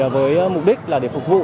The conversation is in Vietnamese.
với mục đích là để phục vụ